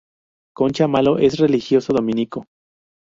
Concha Malo es religioso dominico.